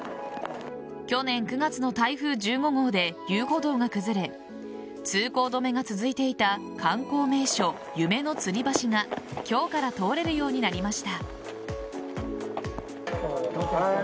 去年９月の台風１５号で遊歩道が崩れ通行止めが続いていた観光名所夢のつり橋が今日から通れるようになりました。